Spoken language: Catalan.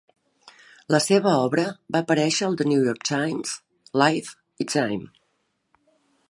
La seva obra va aparèixer al "The New York Times", "Life" i "Time".